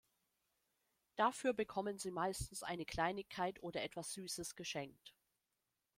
Dafür bekommen sie meistens eine Kleinigkeit oder etwas Süßes geschenkt.